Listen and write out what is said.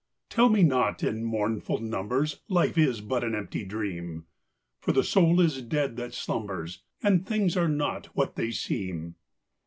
Tell me not, in mournful numbers, Life is but an empty dream ! For the soul is dead that slumbers. And things are not what they seem.